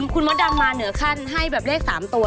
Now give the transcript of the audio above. คุณมดดำมาเหนือขั้นให้แบบเลข๓ตัว